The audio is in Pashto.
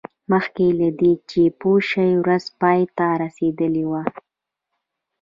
مخکې له دې چې پوه شي ورځ پای ته رسیدلې وه